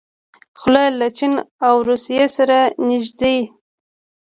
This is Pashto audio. خو له چین او روسیې سره نږدې دي.